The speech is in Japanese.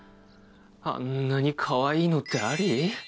あんなにかわいいのってあり？